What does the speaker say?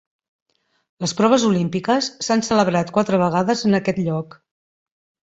Les proves olímpiques s'han celebrat quatre vegades en aquest lloc.